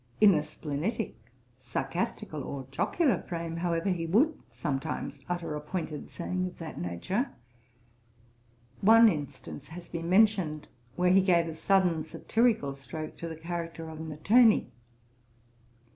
In a splenetick, sarcastical, or jocular frame, however, he would sometimes utter a pointed saying of that nature. One instance has been mentioned, where he gave a sudden satirical stroke to the character of an attorney.